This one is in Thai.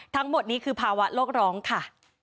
ทั้งหมดนี้คือภาวะโลกร้องค่ะ